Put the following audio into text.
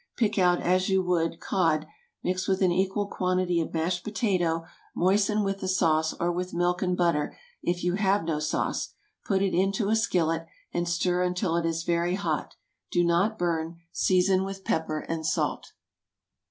Pick out as you would cod, mix with an equal quantity of mashed potato, moisten with the sauce, or with milk and butter if you have no sauce, put it into a skillet, and stir until it is very hot. Do not burn. Season with pepper and salt.